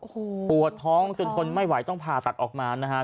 โอ้โหปวดท้องจนทนไม่ไหวต้องผ่าตัดออกมานะฮะ